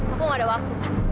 aku nggak ada waktu